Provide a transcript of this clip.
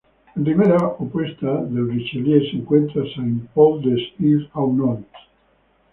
En ribera opuesta del Richelieu se encuentra Saint-Paul-de-l'Île-aux-Noix.